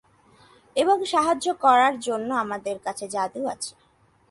এবং সাহায্য করার জন্য আমাদের কাছে জাদু আছে।